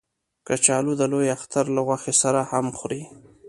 کچالو د لوی اختر له غوښې سره هم خوري